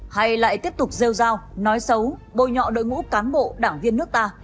hay lại tiếp tục rêu rao nói xấu bôi nhọ đội ngũ cán bộ đảng viên nước ta